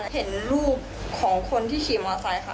เห็นรูปของคนที่ขี่มอไซค์ค่ะ